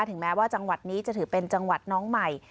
ถึงแม้ว่าจังหวัดนี้จะถือเป็นจังหวัดน้องใหม่